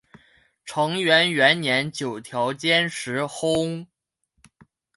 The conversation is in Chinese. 承元元年九条兼实薨。